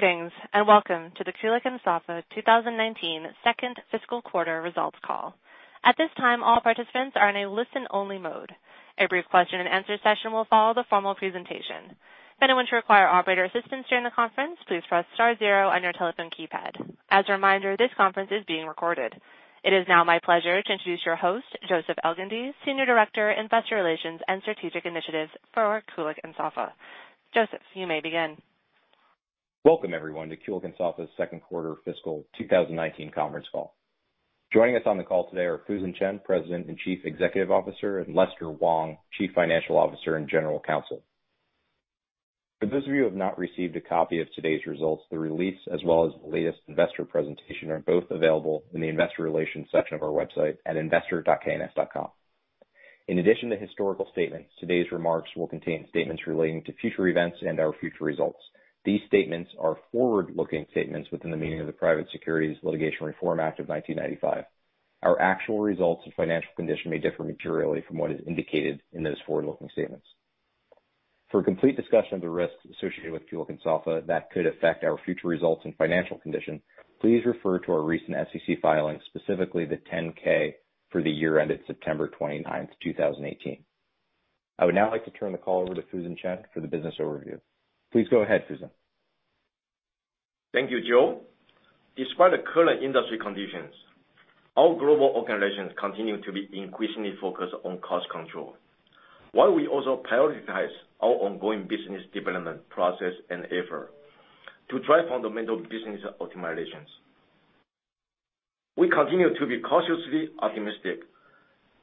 Greetings, and welcome to the Kulicke and Soffa 2019 second fiscal quarter results call. At this time, all participants are in a listen-only mode. A brief question and answer session will follow the formal presentation. If anyone should require operator assistance during the conference, please press star zero on your telephone keypad. As a reminder, this conference is being recorded. It is now my pleasure to introduce your host, Joseph Elgindy, Senior Director, Investor Relations and Strategic Initiatives for Kulicke and Soffa. Joseph, you may begin. Welcome everyone to Kulicke and Soffa's second quarter fiscal 2019 conference call. Joining us on the call today are Fusen Chen, President and Chief Executive Officer, and Lester Wong, Chief Financial Officer and General Counsel. For those of you who have not received a copy of today's results, the release as well as the latest investor presentation are both available in the investor relations section of our website at investor.kns.com. In addition to historical statements, today's remarks will contain statements relating to future events and our future results. These statements are forward-looking statements within the meaning of the Private Securities Litigation Reform Act of 1995. For a complete discussion of the risks associated with Kulicke and Soffa that could affect our future results and financial condition, please refer to our recent SEC filings, specifically the 10-K for the year ended September 29th, 2018. I would now like to turn the call over to Fusen Chen for the business overview. Please go ahead, Fusen. Thank you, Joe. Despite the current industry conditions, our global organizations continue to be increasingly focused on cost control, while we also prioritize our ongoing business development process and effort to drive fundamental business optimizations. We continue to be cautiously optimistic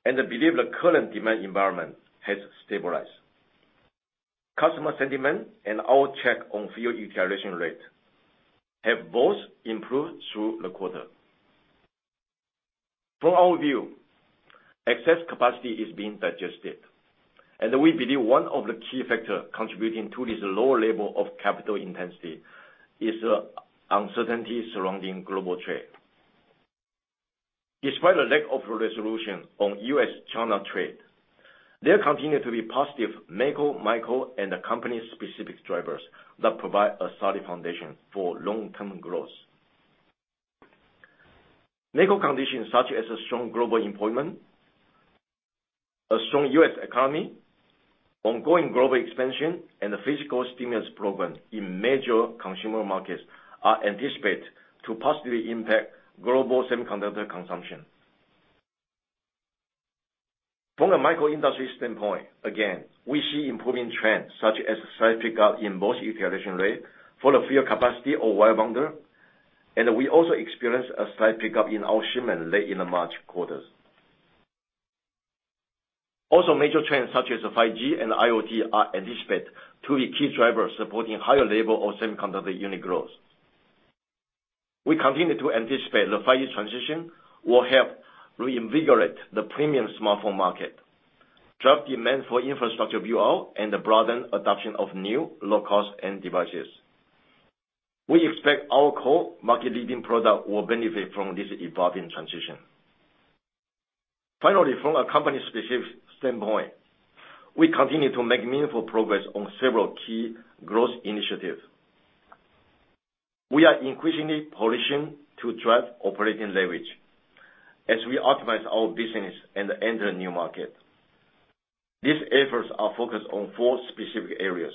and believe the current demand environment has stabilized. Customer sentiment and our check on field utilization rate have both improved through the quarter. From our view, excess capacity is being digested, we believe one of the key factors contributing to this lower level of capital intensity is the uncertainty surrounding global trade. Despite the lack of resolution on U.S.-China trade, there continue to be positive macro, micro, and company-specific drivers that provide a solid foundation for long-term growth. Macro conditions such as strong global employment, a strong U.S. economy, ongoing global expansion, and fiscal stimulus programs in major consumer markets are anticipated to positively impact global semiconductor consumption. From a micro-industry standpoint, again, we see improving trends such as a slight pickup in both utilization rate for the field capacity or ball bonder, and we also experienced a slight pickup in our shipment late in the March quarter. Major trends such as 5G and IoT are anticipated to be key drivers supporting higher levels of semiconductor unit growth. We continue to anticipate the 5G transition will help reinvigorate the premium smartphone market, drive demand for infrastructure build, and the broadened adoption of new low-cost end devices. We expect our core market-leading product will benefit from this evolving transition. Finally, from a company-specific standpoint, we continue to make meaningful progress on several key growth initiatives. We are increasingly positioned to drive operating leverage as we optimize our business and enter new markets. These efforts are focused on four specific areas: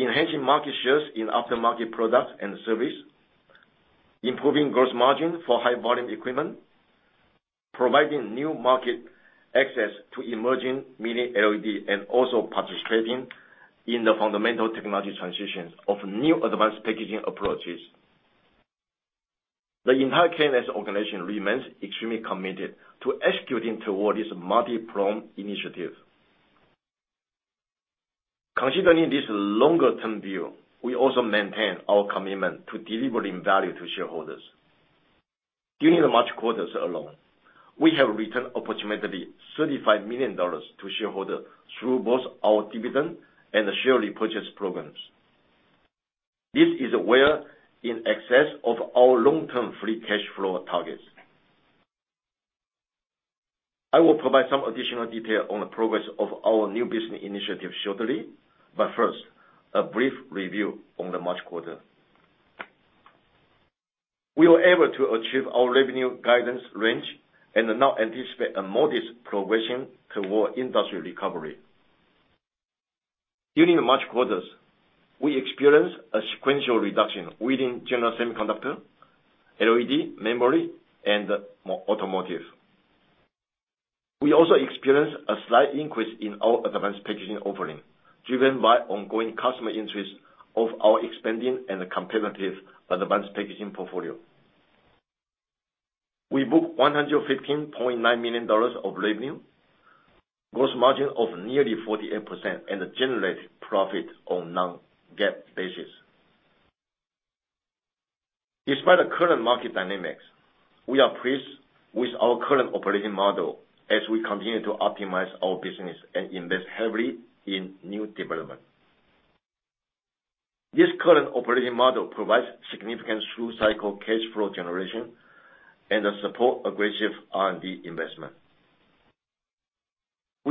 enhancing market shares in Aftermarket Products and Service, improving gross margin for high-volume equipment, providing new market access to emerging mini LED, and also participating in the fundamental technology transitions of new advanced packaging approaches. The entire KNS organization remains extremely committed to executing toward this multi-pronged initiative. Considering this longer-term view, we also maintain our commitment to delivering value to shareholders. During the March quarter alone, we have returned approximately $35 million to shareholders through both our dividend and share repurchase programs. This is well in excess of our long-term free cash flow targets. I will provide some additional detail on the progress of our new business initiatives shortly, but first, a brief review on the March quarter. We were able to achieve our revenue guidance range and now anticipate a modest progression toward industry recovery. During the March quarter, we experienced a sequential reduction within general semiconductor, LED, memory, and automotive. We also experienced a slight increase in our advanced packaging offering, driven by ongoing customer interest of our expanding and competitive advanced packaging portfolio. We booked $115.9 million of revenue, gross margin of nearly 48%, and generated profit on non-GAAP basis. Despite the current market dynamics, we are pleased with our current operating model as we continue to optimize our business and invest heavily in new development. We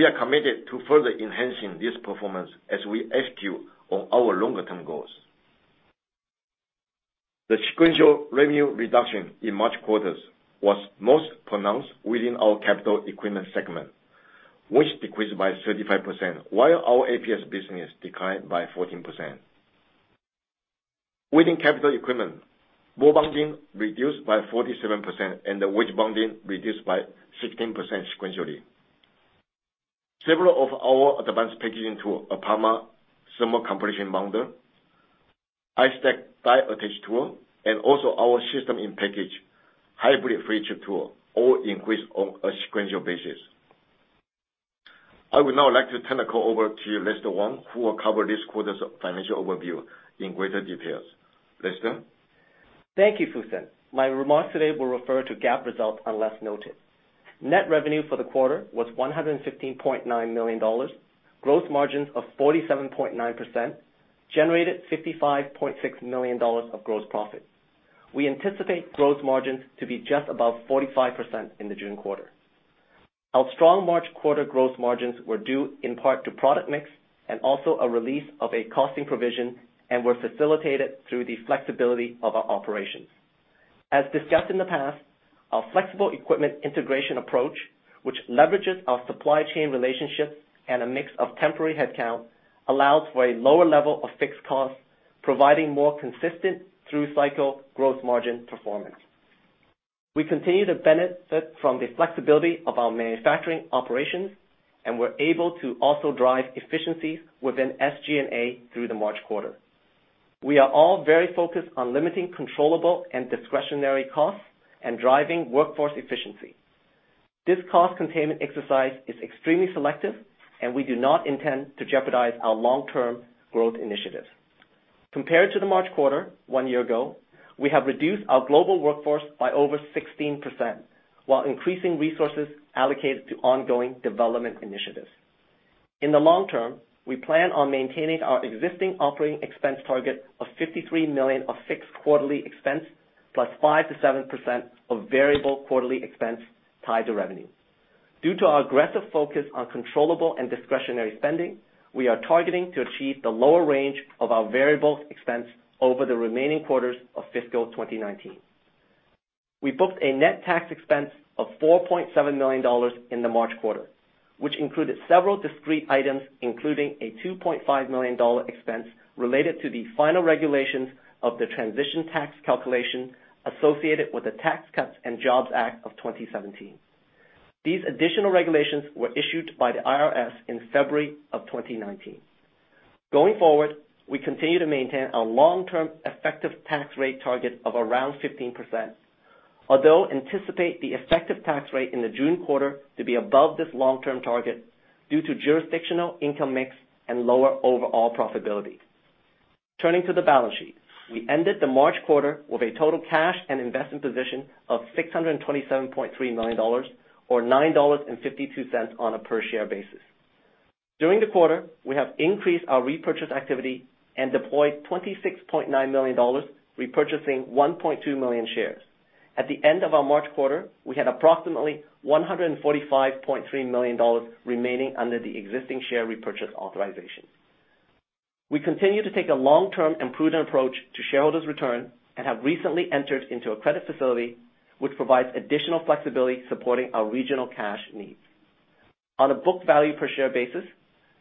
are committed to further enhancing this performance as we execute on our longer-term goals. The sequential revenue reduction in March quarter was most pronounced within our capital equipment segment, which decreased by 35%, while our APS business declined by 14%. Within capital equipment, ball bonding reduced by 47%, and the wedge bonding reduced by 16% sequentially. Several of our advanced packaging tool, APAMA thermal compression bonder, iStack die attach tool, and also our system-in-package hybrid flip-chip tool, all increased on a sequential basis. I would now like to turn the call over to Lester Wong, who will cover this quarter's financial overview in greater detail. Lester? Thank you, Fusen Chen. My remarks today will refer to GAAP results, unless noted. Net revenue for the quarter was $115.9 million. Gross margins of 47.9% generated $55.6 million of gross profit. We anticipate gross margins to be just above 45% in the June quarter. Our strong March quarter gross margins were due in part to product mix and also a release of a costing provision, and were facilitated through the flexibility of our operations. As discussed in the past, our flexible equipment integration approach, which leverages our supply chain relationships and a mix of temporary headcount, allows for a lower level of fixed costs, providing more consistent through cycle gross margin performance. We continue to benefit from the flexibility of our manufacturing operations, and we were able to also drive efficiencies within SG&A through the March quarter. We are all very focused on limiting controllable and discretionary costs and driving workforce efficiency. This cost containment exercise is extremely selective, and we do not intend to jeopardize our long-term growth initiatives. Compared to the March quarter one year ago, we have reduced our global workforce by over 16%, while increasing resources allocated to ongoing development initiatives. In the long term, we plan on maintaining our existing operating expense target of $53 million of fixed quarterly expense, plus 5%-7% of variable quarterly expense tied to revenue. Due to our aggressive focus on controllable and discretionary spending, we are targeting to achieve the lower range of our variable expense over the remaining quarters of fiscal 2019. We booked a net tax expense of $4.7 million in the March quarter, which included several discrete items, including a $2.5 million expense related to the final regulations of the transition tax calculation associated with the Tax Cuts and Jobs Act of 2017. These additional regulations were issued by the IRS in February of 2019. Going forward, we continue to maintain a long-term effective tax rate target of around 15%, although anticipate the effective tax rate in the June quarter to be above this long-term target due to jurisdictional income mix and lower overall profitability. Turning to the balance sheet. We ended the March quarter with a total cash and investment position of $627.3 million, or $9.52 on a per share basis. During the quarter, we have increased our repurchase activity and deployed $26.9 million, repurchasing 1.2 million shares. At the end of our March quarter, we had approximately $145.3 million remaining under the existing share repurchase authorization. We continue to take a long-term and prudent approach to shareholders' return and have recently entered into a credit facility, which provides additional flexibility supporting our regional cash needs. On a book value per share basis,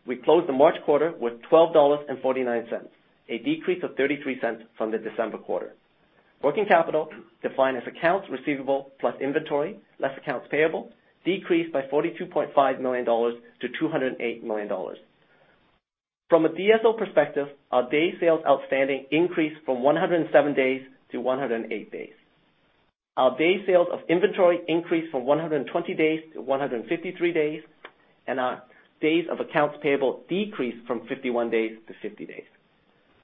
we closed the March quarter with $12.49, a decrease of $0.33 from the December quarter. Working capital, defined as accounts receivable plus inventory, less accounts payable, decreased by $42.5 million to $208 million. From a DSO perspective, our day sales outstanding increased from 107 days to 108 days. Our day sales of inventory increased from 120 days to 153 days, and our days of accounts payable decreased from 51 days to 50 days.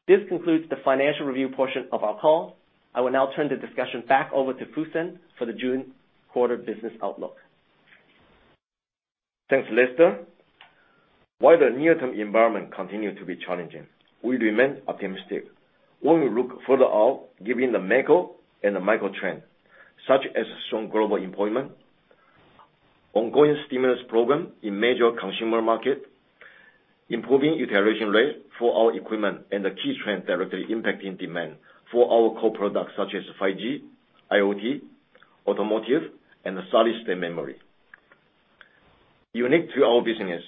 This concludes the financial review portion of our call. I will now turn the discussion back over to Fusen for the June quarter business outlook. Thanks, Lester. While the near-term environment continue to be challenging, we remain optimistic when we look further out given the macro and the micro trends, such as strong global employment, ongoing stimulus program in major consumer market, improving utilization rate for our equipment, and the key trend directly impacting demand for our core products such as 5G, IoT, automotive, and solid-state memory. Unique to our business,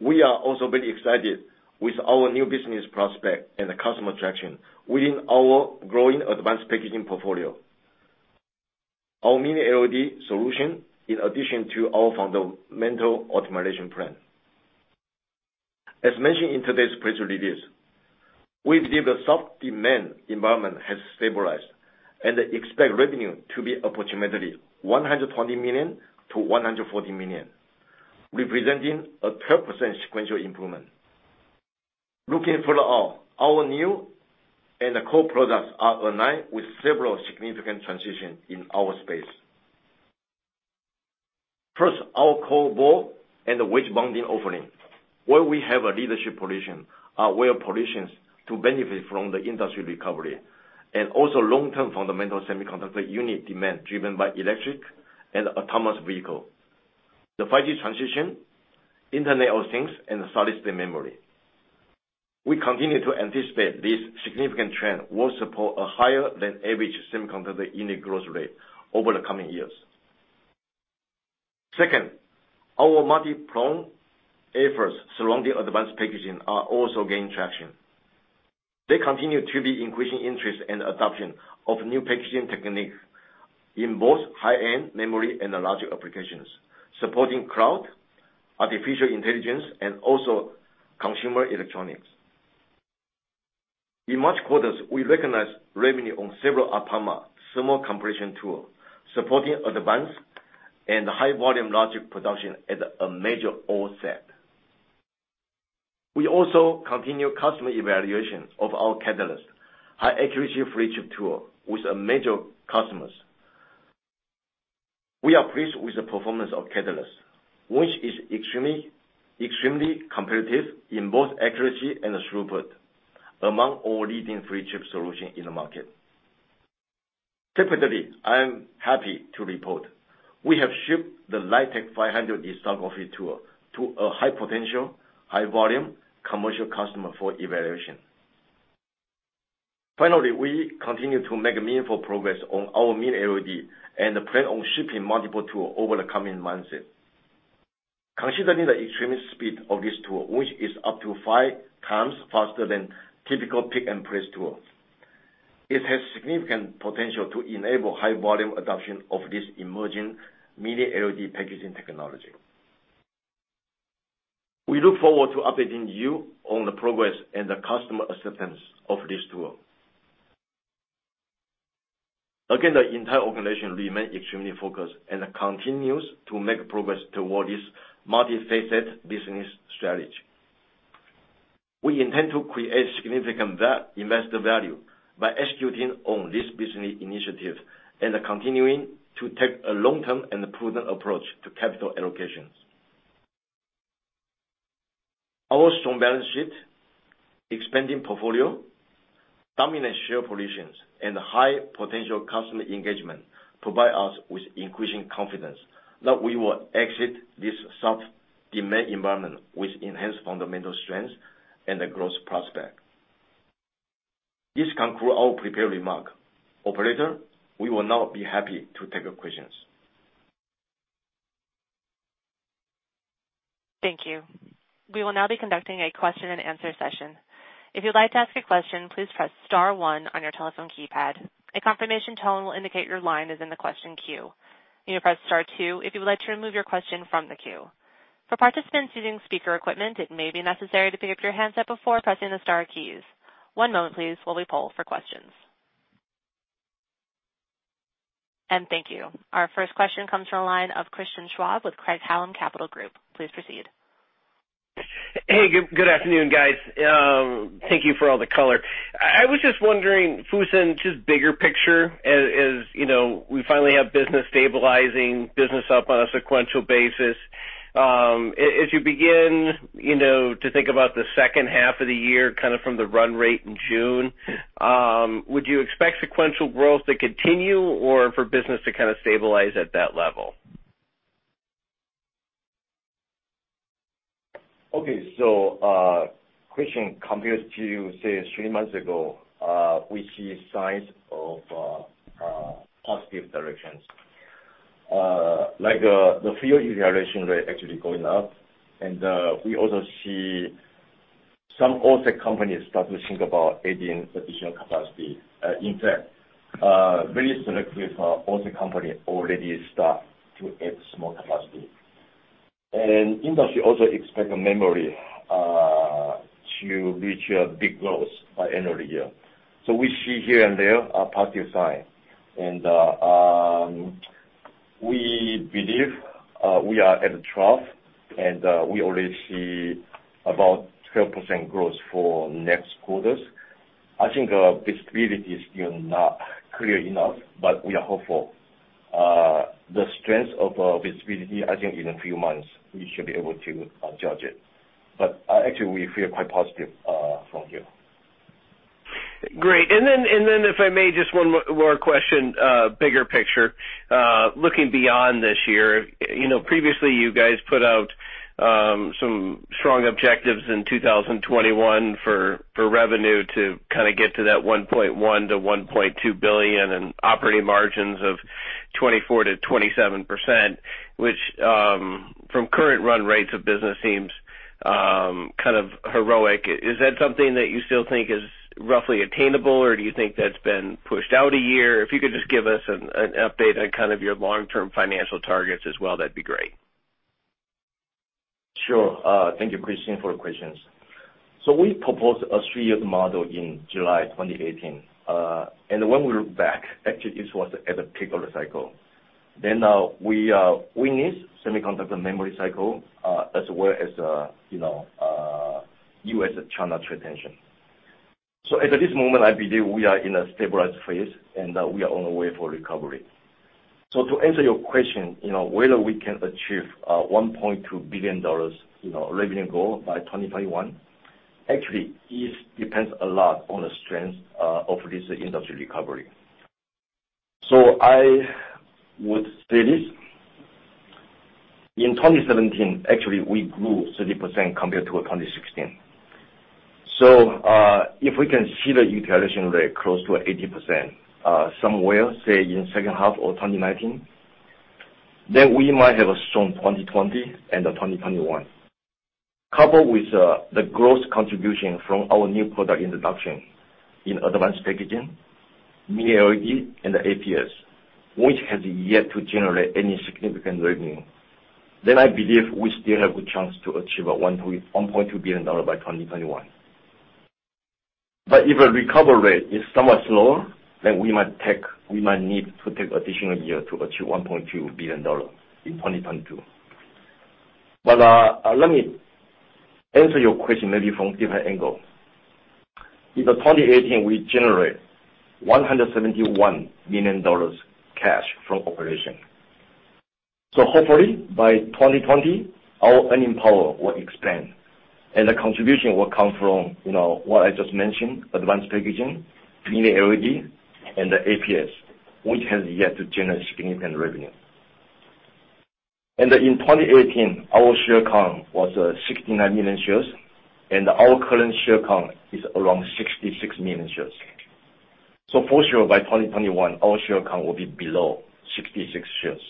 we are also very excited with our new business prospect and the customer traction within our growing advanced packaging portfolio. Our mini LED solution, in addition to our fundamental optimization plan. As mentioned in today's press release, we believe the soft demand environment has stabilized, and expect revenue to be approximately $120 million-$140 million, representing a 12% sequential improvement. Looking further out, our new and core products are aligned with several significant transitions in our space. First, our core ball and wedge bonding offering. Where we have a leadership position, are where positions to benefit from the industry recovery and also long-term fundamental semiconductor unit demand driven by electric and autonomous vehicle, the 5G transition, Internet of Things, and solid-state memory. We continue to anticipate this significant trend will support a higher than average semiconductor unit growth rate over the coming years. Second, our multi-pronged efforts surrounding advanced packaging are also gaining traction. They continue to be increasing interest and adoption of new packaging techniques in both high-end memory and logic applications, supporting cloud, artificial intelligence, and also consumer electronics. In March quarters, we recognized revenue on several APAMA thermo-compression tool, supporting advanced and high volume logic production at a major OSAT. We also continue customer evaluations of our Katalyst, high-accuracy flip-chip tool with major customers. We are pleased with the performance of Katalyst, which is extremely competitive in both accuracy and throughput among all leading flip-chip solutions in the market. Separately, I am happy to report we have shipped the LITEQ 500 lithography tool to a high potential, high volume commercial customer for evaluation. Finally, we continue to make meaningful progress on our mini LED and plan on shipping multiple tools over the coming months. Considering the extreme speed of this tool, which is up to 5 times faster than typical pick-and-place tools, it has significant potential to enable high volume adoption of this emerging mini LED packaging technology. We look forward to updating you on the progress and the customer acceptance of this tool. Again, the entire organization remains extremely focused and continues to make progress toward this multifaceted business strategy. We intend to create significant investor value by executing on this business initiative and continuing to take a long-term and prudent approach to capital allocations. Our strong balance sheet, expanding portfolio, dominant share positions, and high potential customer engagement provide us with increasing confidence that we will exit this soft demand environment with enhanced fundamental strength and growth prospects. This concludes our prepared remarks. Operator, we will now be happy to take your questions. Thank you. We will now be conducting a question and answer session. If you'd like to ask a question, please press star one on your telephone keypad. A confirmation tone will indicate your line is in the question queue. You may press star two if you would like to remove your question from the queue. For participants using speaker equipment, it may be necessary to pick up your handset before pressing the star keys. One moment please while we poll for questions. Thank you. Our first question comes from the line of Christian Schwab with Craig-Hallum Capital Group. Please proceed. Hey, good afternoon, guys. Thank you for all the color. I was just wondering, Fusen, just bigger picture, as we finally have business stabilizing, business up on a sequential basis. As you begin to think about the second half of the year, from the run rate in June, would you expect sequential growth to continue or for business to stabilize at that level? Okay. Christian, compared to, say, three months ago, we see signs of positive directions. Like the field evaluation rate actually going up. We also see some OSAT companies starting to think about adding additional capacity. In fact, very selective OSAT companies already start to add small capacity. Industry also expect memory to reach a big growth by end of the year. We see here and there a positive sign. We believe we are at a trough, and we already see about 12% growth for next quarters. I think visibility is still not clear enough, we are hopeful. The strength of visibility, I think in a few months, we should be able to judge it. Actually, we feel quite positive from here. Great. If I may, just one more question, bigger picture. Looking beyond this year, previously you guys put out some strong objectives in 2021 for revenue to get to that $1.1 billion-$1.2 billion and operating margins of 24%-27%, which, from current run rates of business seems kind of heroic. Is that something that you still think is roughly attainable, or do you think that's been pushed out a year? If you could just give us an update on your long-term financial targets as well, that'd be great. Sure. Thank you, Christian, for the questions. We proposed a three-year model in July 2018. When we were back, actually, this was at the peak of the cycle. We missed semiconductor memory cycle, as well as U.S. China trade tension. At this moment, I believe we are in a stabilized phase, and that we are on the way for recovery. To answer your question, whether we can achieve $1.2 billion revenue goal by 2021, actually, it depends a lot on the strength of this industry recovery. I would say this. In 2017, actually, we grew 30% compared to 2016. If we can see the utilization rate close to 80%, somewhere, say in second half of 2019, we might have a strong 2020 and 2021. Coupled with the growth contribution from our new product introduction in advanced packaging, Mini LED and the APS, which has yet to generate any significant revenue, I believe we still have a good chance to achieve $1.2 billion by 2021. If the recovery rate is somewhat slower, we might need to take additional year to achieve $1.2 billion in 2022. Let me answer your question maybe from different angle. In 2018, we generate $171 million cash from operation. Hopefully by 2020, our earning power will expand and the contribution will come from what I just mentioned, advanced packaging, Mini LED and the APS, which has yet to generate significant revenue. In 2018, our share count was 69 million shares, and our current share count is around 66 million shares. For sure by 2021, our share count will be below 66 shares.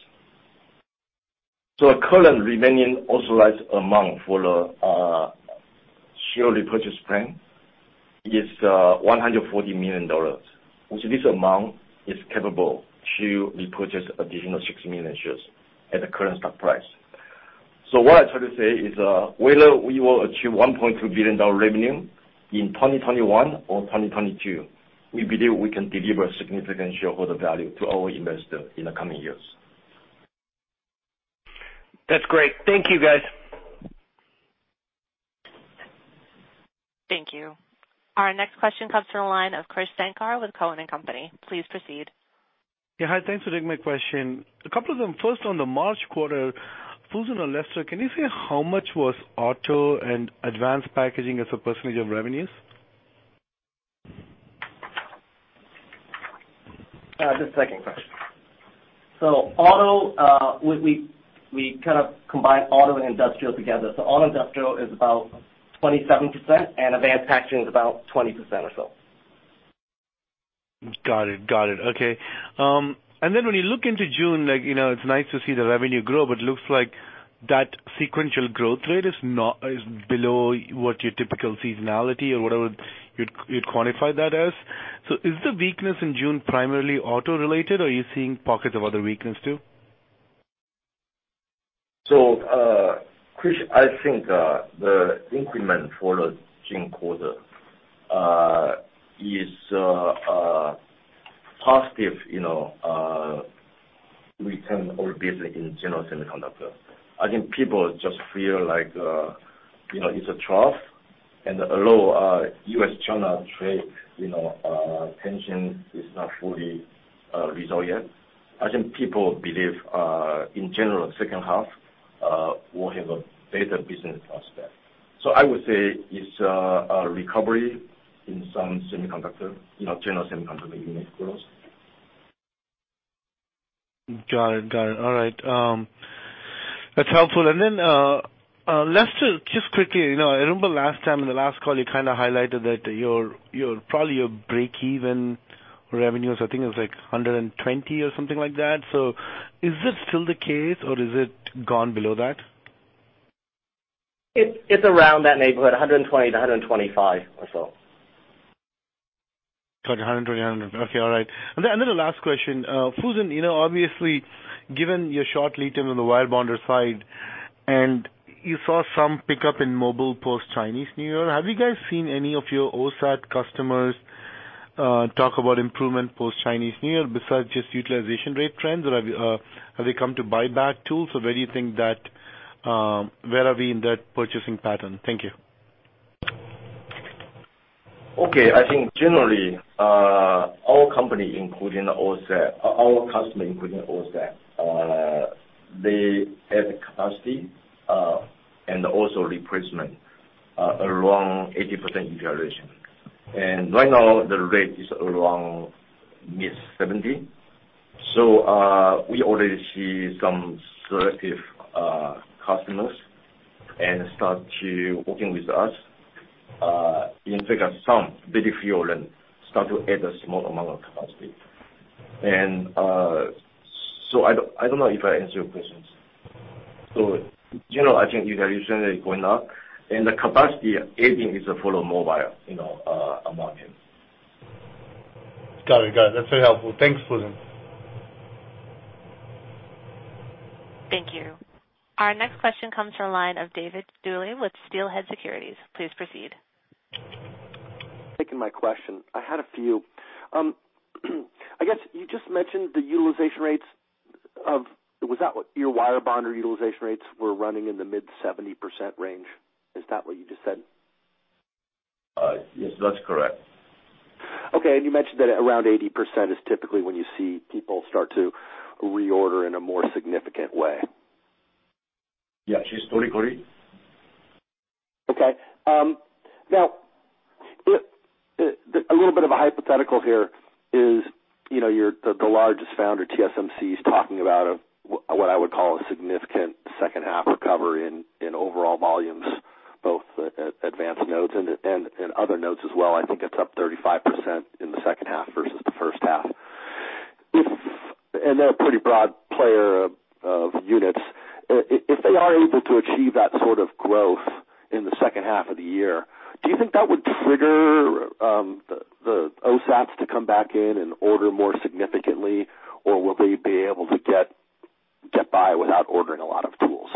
Our current remaining authorized amount for the share repurchase plan is $140 million. This amount is capable to repurchase additional 6 million shares at the current stock price. What I try to say is, whether we will achieve $1.2 billion revenue in 2021 or 2022, we believe we can deliver significant shareholder value to our investor in the coming years. That's great. Thank you, guys. Thank you. Our next question comes from the line of Krish Sankar with Cowen and Company. Please proceed. Yeah, hi. Thanks for taking my question, a couple of them. First on the March quarter, Fusen and Lester, can you say how much was auto and advanced packaging as a % of revenues? Just a second, Krish. Auto, we combine auto and industrial together. Auto industrial is about 27%, and advanced packaging is about 20% or so. Got it. Okay. When you look into June, it's nice to see the revenue grow, but looks like that sequential growth rate is below what your typical seasonality or whatever you'd quantify that as. Is the weakness in June primarily auto-related, or are you seeing pockets of other weakness too? Krish, I think, the increment for the June quarter is positive return or business in general semiconductor. I think people just feel like it's a trough and although U.S.-China trade tension is not fully resolved yet, I think people believe, in general, second half will have a better business prospect. I would say it's a recovery in some semiconductor, general semiconductor unit growth. Got it. All right. That's helpful. Lester, just quickly, I remember last time in the last call, you highlighted that probably your breakeven revenues, I think it was 120 or something like that. Is this still the case, or has it gone below that? It's around that neighborhood, $120-$125 or so. Got 120, 100. Okay, all right. Then the last question. Fusen, obviously given your short lead time on the wire bonder side, and you saw some pickup in mobile post-Chinese New Year, have you guys seen any of your OSAT customers talk about improvement post-Chinese New Year besides just utilization rate trends, or have they come to buy back too? Where are we in that purchasing pattern? Thank you. Okay, I think generally, all company, including OSAT, all customer, including OSAT, they have the capacity, and also replacement, around 80% utilization. Right now, the rate is around mid-70. We already see some selective customers and start to working with us. In fact, some very few of them start to add a small amount of capacity. I don't know if I answer your questions. In general, I think utilization rate going up and the capacity adding is for mobile amount. Got it. That's very helpful. Thanks, Fusen. Thank you. Our next question comes from the line of David Duley with Steelhead Securities. Please proceed. Thank you for taking my question. I had a few. I guess you just mentioned the utilization rates. Was that what your wire bonder utilization rates were running in the mid 70% range? Is that what you just said? Yes, that's correct. Okay. You mentioned that around 80% is typically when you see people start to reorder in a more significant way. Yeah, it is totally correct. Okay. Now, a little bit of a hypothetical here is, the largest foundry, TSMC, is talking about what I would call a significant second half recovery in overall volumes, both advanced nodes and other nodes as well. I think it's up 35% in the second half versus the first half. They're a pretty broad player of units. If they are able to achieve that sort of growth in the second half of the year, do you think that would trigger the OSATs to come back in and order more significantly, or will they be able to get by without ordering a lot of tools?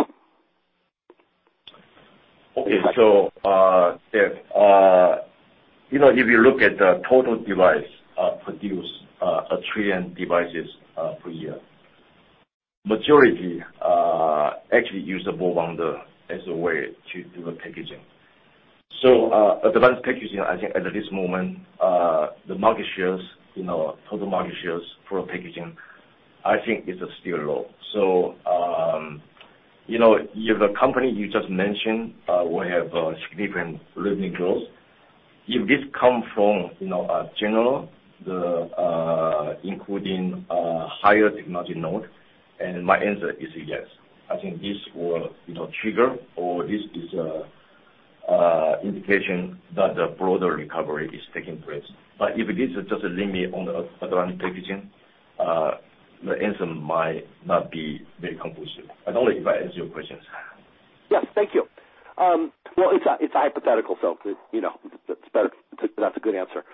Okay. If you look at the total device produced, a trillion devices per year. Majority actually use a ball bonder as a way to do the packaging. Advanced packaging, I think at this moment, the total market shares for packaging, I think it's still low. The company you just mentioned will have a significant revenue growth. If this come from a general, including higher technology node, and my answer is yes. I think this will trigger, or this is a indication that the broader recovery is taking place. If it is just limited on the advanced packaging, the answer might not be very conclusive. I don't know if I answered your questions. Yes, thank you. Well, it's a hypothetical, so that's a good answer.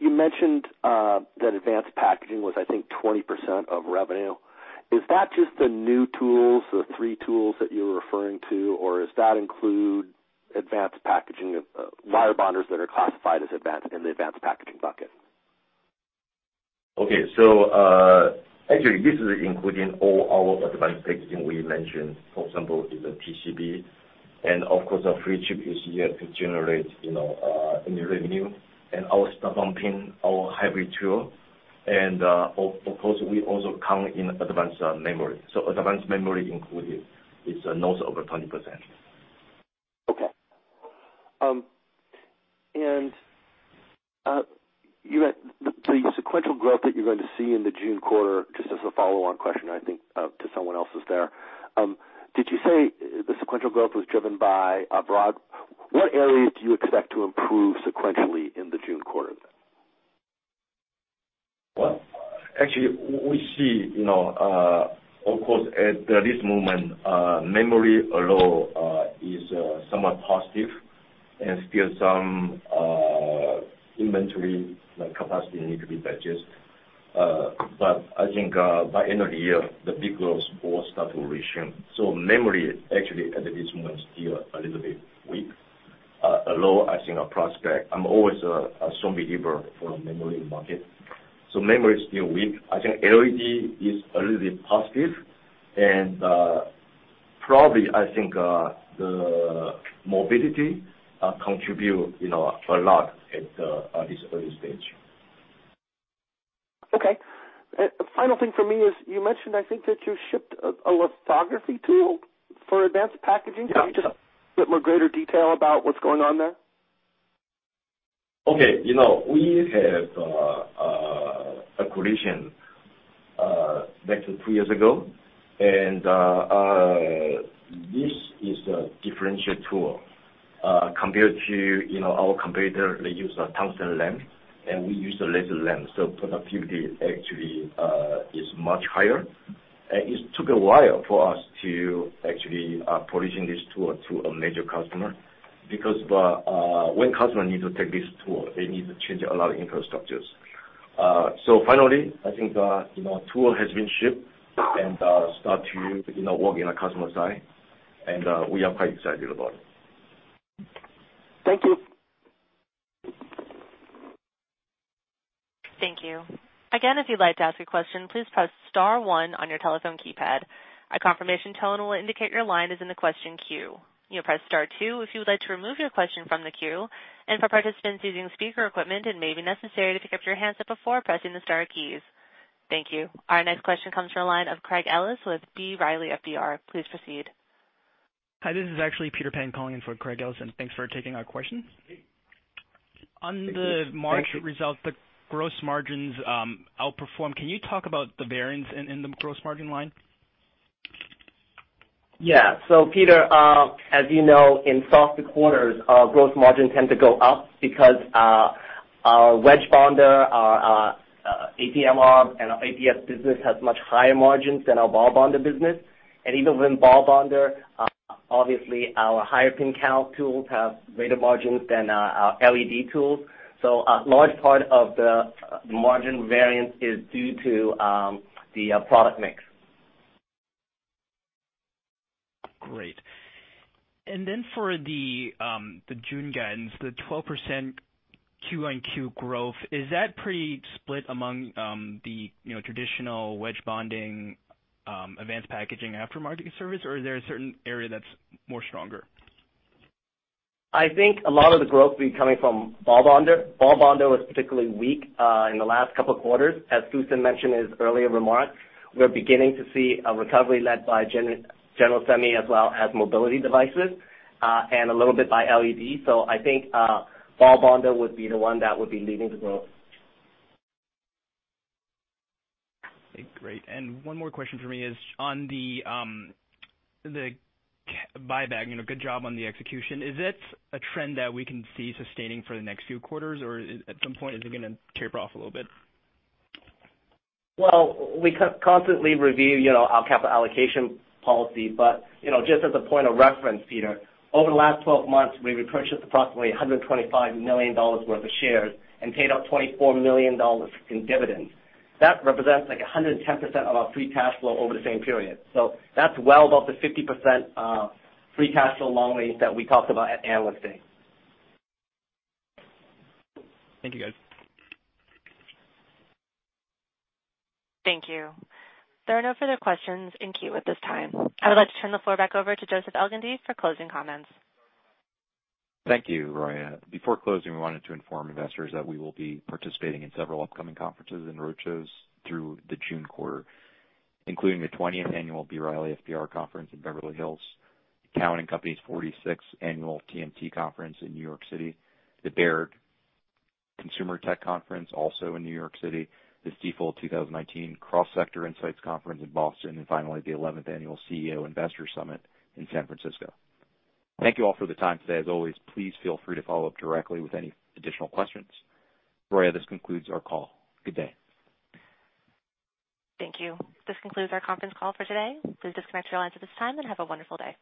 You mentioned that advanced packaging was, I think, 20% of revenue. Is that just the new tools, the three tools that you were referring to, or does that include advanced packaging, wire bonders that are classified in the advanced packaging bucket? Okay. Actually, this is including all our advanced packaging we mentioned. For example, is a PCB and of course, a flip chip is here to generate a new revenue and our step-up pin, our hybrid tool. Of course, we also count in advanced memory. Advanced memory included, it's north over 20%. Okay. The sequential growth that you're going to see in the June quarter, just as a follow-on question, I think, to someone else's there. Did you say the sequential growth was driven by abroad? What areas do you expect to improve sequentially in the June quarter then? Well, actually, we see, of course, at this moment, memory alone is somewhat positive, and still some inventory capacity need to be digested. I think by end of the year, the big growth will start to resume. Memory, actually, at this moment, is still a little bit weak. Although I think our prospect, I'm always a strong believer for the memory market. Memory is still weak. I think LED is a little bit positive, and probably, I think, the mobility contribute a lot at this early stage. Okay. Final thing from me is, you mentioned, I think that you shipped a lithography tool for advanced packaging. Yeah. Can you just, a bit more greater detail about what's going on there? Okay. We had acquisition back 2 years ago. This is a differential tool. Compared to our competitor, they use a tungsten lens, and we use a laser lens. Productivity actually is much higher. It took a while for us to actually position this tool to a major customer, because when customer need to take this tool, they need to change a lot of infrastructures. Finally, I think the tool has been shipped and start to work in a customer site, and we are quite excited about it. Thank you. Thank you. Again, if you'd like to ask a question, please press star 1 on your telephone keypad. A confirmation tone will indicate your line is in the question queue. You may press star 2 if you would like to remove your question from the queue. For participants using speaker equipment, it may be necessary to pick up your handset before pressing the star keys. Thank you. Our next question comes from the line of Craig Ellis with B. Riley FBR. Please proceed. Hi, this is actually Peter Peng calling in for Craig Ellis, and thanks for taking our questions. Thank you. On the March results, the gross margins outperformed. Can you talk about the variance in the gross margin line? Yeah. Peter, as you know, in softer quarters, our gross margin tend to go up because our wedge bonder, our ATMR, and our APS business has much higher margins than our ball bonder business. Even with ball bonder, obviously, our higher pin count tools have greater margins than our LED tools. A large part of the margin variance is due to the product mix. For the June guidance, the 12% Q on Q growth, is that pretty split among the traditional wedge bonding, advanced packaging aftermarket service, or is there a certain area that's more stronger? I think a lot of the growth will be coming from ball bonder. Ball bonder was particularly weak in the last couple of quarters. As Fusen Chen mentioned in his earlier remarks, we're beginning to see a recovery led by general semi as well as mobility devices, and a little bit by LED. I think, ball bonder would be the one that would be leading the growth. Okay, great. One more question for me is on the buyback, good job on the execution. Is it a trend that we can see sustaining for the next few quarters, or at some point, is it going to taper off a little bit? Well, we constantly review our capital allocation policy. Just as a point of reference, Peter Peng, over the last 12 months, we repurchased approximately $125 million worth of shares and paid out $24 million in dividends. That represents 110% of our free cash flow over the same period. That's well above the 50% free cash flow long range that we talked about at Analyst Day. Thank you, guys. Thank you. There are no further questions in queue at this time. I would like to turn the floor back over to Joseph Elgindy for closing comments. Thank you, Roya. Before closing, we wanted to inform investors that we will be participating in several upcoming conferences and roadshows through the June quarter, including the 20th Annual B. Riley FBR Conference in Beverly Hills, Cowen and Company's 46th Annual TMT Conference in New York City, the Baird Consumer Tech Conference, also in New York City, the Stifel 2019 Cross Sector Insights Conference in Boston, and finally, the 11th Annual CEO Investor Summit in San Francisco. Thank you all for the time today. As always, please feel free to follow up directly with any additional questions. Roya, this concludes our call. Good day. Thank you. This concludes our conference call for today. Please disconnect your lines at this time and have a wonderful day.